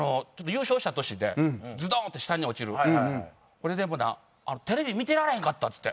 これでもなテレビ見てられへんかったっつって。